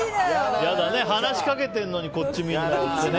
話しかけてるのにこっち見んなよってね。